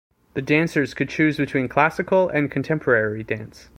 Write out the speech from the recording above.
The dancers could choose between classical and contemporary dance.